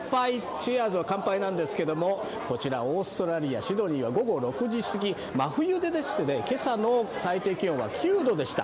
チアーズは乾杯なんですけど、こちら、オーストラリア・シドニーは午後６時すぎ、真冬で、今朝の最低気温は９度でした。